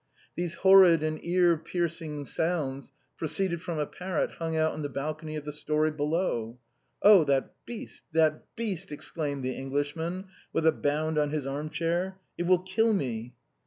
These horrid and ear piercing sounds proceeded from a parrot hung out on the balcony of the story below, " Oh ! that beast ! that beast !" exclaimed the English man, with a bound on his arm chair ;" it will kill me."